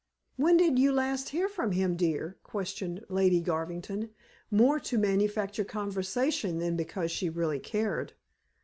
"When did you last hear from him, dear?" questioned Lady Garvington, more to manufacture conversation than because she really cared.